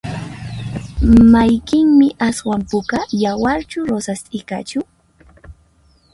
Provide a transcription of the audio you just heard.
Mayqinmi aswan puka? yawarchu rosas t'ikachu?